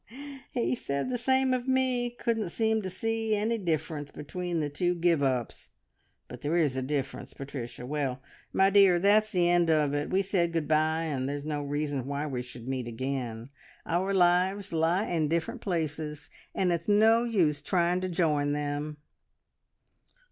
"He said the same of me. Couldn't seem to see any difference between the two `give ups'; but there is a difference, Patricia. Well, my dear, that's the end of it. We said good bye, and there's no reason why we should meet again. ... Our lives lie in different places, and it's no use trying to join them."